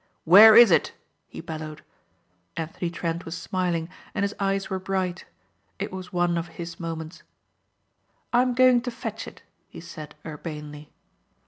"Where is it?" he bellowed. Anthony Trent was smiling and his eyes were bright. It was one of his moments. "I am going to fetch it," he said urbanely.